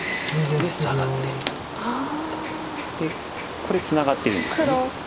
でこれツナがってるんですよね。